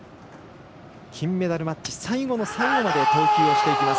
金メダルマッチ、最後の最後まで投球をしていきます。